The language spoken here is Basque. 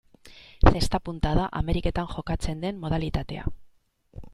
Zesta-punta da Ameriketan jokatzen den modalitatea.